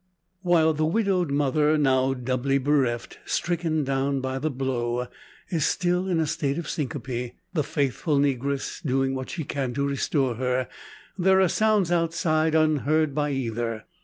While the widowed mother, now doubly bereft stricken down by the blow is still in a state of syncope, the faithful negress doing what she can to restore her, there are sounds outside unheard by either.